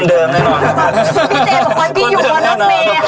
พี่เจยังบอกว่าพี่อยู่บนรถเมย